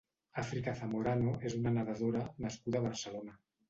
África Zamorano és una nedadora nascuda a Barcelona.